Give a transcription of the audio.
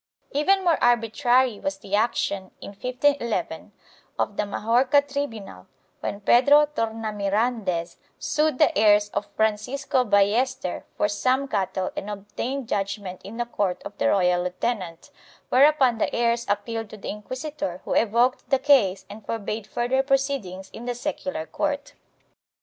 Even more arbitrary was the action, in 1511, of the Majorca tribunal, when Pedro Torna mirandez sued the heirs of Francisco Ball ester for some cattle and obtained judgement in the court of the royal lieutenant, whereupon the heirs appealed to the inquisitor who evoked the case and forbade further proceedings in the secular court.